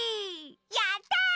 やった！